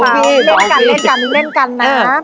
เปล่าเล่นกันเล่นกันนะ